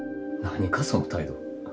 何かその態度。